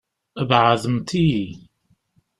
Beɛɛdemt-iyi.